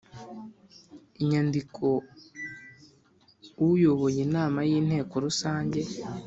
inyandiko Uyoboye inama y Inteko Rusange